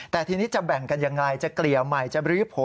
แต่ทีนี้จะแบ่งกันอย่างไรจะเกลียวใหม่จะบริพโภ